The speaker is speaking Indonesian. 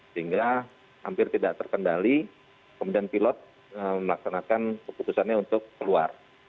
sehingga hampir tidak terkendali kemudian pilot melaksanakan keputusannya untuk keluar